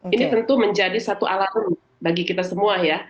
ini tentu menjadi satu alarm bagi kita semua ya